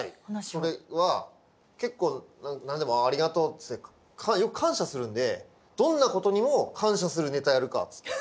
それは結構何でもありがとうっつってよく感謝するんでどんなことにも感謝するネタやるかっつって。